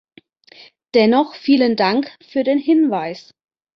Dennoch vielen Dank für den Hinweis!